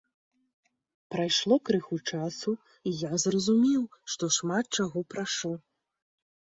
Прайшло крыху часу, і я зразумеў, што шмат чаго прашу.